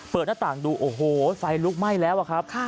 หน้าต่างดูโอ้โหไฟลุกไหม้แล้วอะครับ